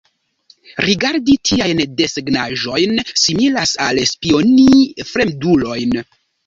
Rigardi tiajn desegnaĵojn similas al spioni fremdulojn.